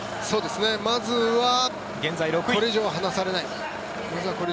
まずはこれ以上離されない。